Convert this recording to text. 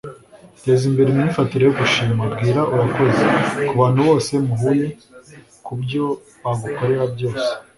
teza imbere imyifatire yo gushimira. bwira 'urakoze' kubantu bose muhuye kubyo bagukorera byose